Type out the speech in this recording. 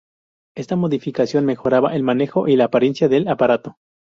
Esta modificación mejoraba el manejo y la apariencia del aparato.